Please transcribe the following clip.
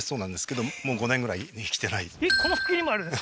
この先にもあるんですか？